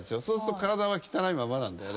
そうすると体は汚いまま。